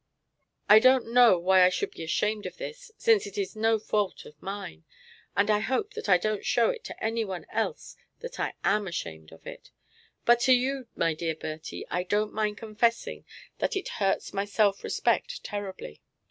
I don't know why I should be ashamed of this, since it is no fault of mine, and I hope that I don't show it to any one else that I AM ashamed of it; but to you, my dear Bertie, I don't mind confessing that it hurts my self respect terribly.